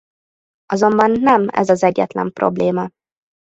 Azonban nem ez az egyetlen probléma.